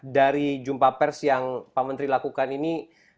dari jumpa pers yang pak menteri lakukan ini